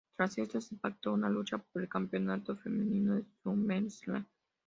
Tras esto, se pactó una lucha por el Campeonato Femenino en SummerSlam.